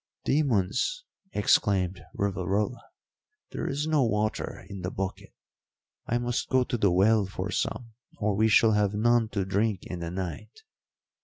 "Demons!" exclaimed Rivarola; "there is no water in the bucket. I must go to the well for some or we shall have none to drink in the night."